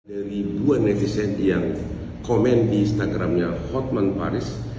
dari dua netizen yang komen di instagramnya hotman paris